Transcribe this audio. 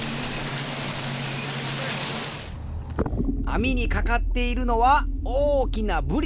網にかかっているのは大きなブリ。